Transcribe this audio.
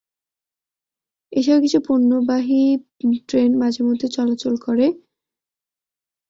এছাড়াও কিছু পণ্যবাহী ট্রেন মাঝেমধ্যে চলাচল করে।